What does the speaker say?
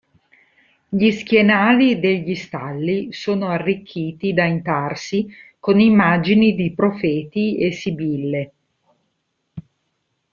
Gli schienali degli stalli sono arricchiti da intarsi con immagini di profeti e sibille.